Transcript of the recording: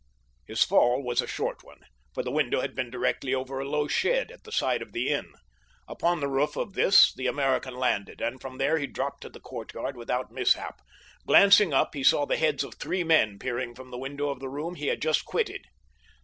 His fall was a short one, for the window had been directly over a low shed at the side of the inn. Upon the roof of this the American landed, and from there he dropped to the courtyard without mishap. Glancing up, he saw the heads of three men peering from the window of the room he had just quitted.